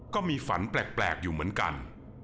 ก็มีฝันแปลกอยู่เหมือนกัน